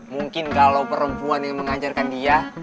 mungkin kalau perempuan yang mengajarkan dia